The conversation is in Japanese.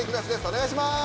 お願いします！